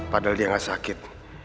padahal dia gak sakit